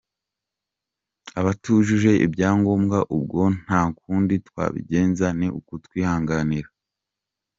Abatujuje ibyangombwa ubwo nta kundi twabigenza ni ukutwihanganira.